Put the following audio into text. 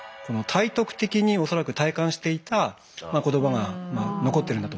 体得的に恐らく体感していた言葉が残ってるんだと思うんですよね。